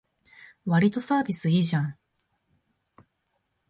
わりとサービスいいじゃん